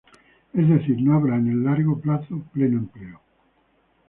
Es decir, no habrá, en el largo plazo, pleno empleo.